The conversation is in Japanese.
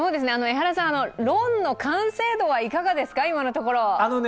エハラさん、ロンの完成度はいかがですか、今のところは？